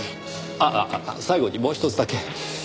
あああ最後にもうひとつだけ。